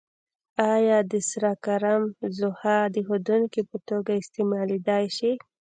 آیا د سره کرم ځوښا د ښودونکي په توګه استعمالیدای شي؟